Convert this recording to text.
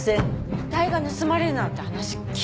遺体が盗まれるなんて話聞いたことないわ。